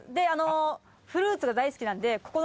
フルーツが大好きなんで。